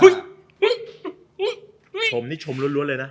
ชมนี่ชมล้วนเลยนะ